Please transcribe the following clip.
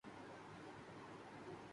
جس پہ میں نے اسائنمنٹ بنانی ہے